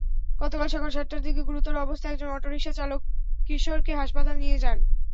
গতকাল সকাল সাতটার দিকে গুরুতর অবস্থায় একজন অটোরিকশাচালক কিশোরীকে হাসপাতালে নিয়ে যান।